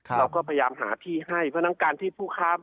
เราก็พยายามหาที่ให้เพราะฉะนั้นการที่ผู้ค้า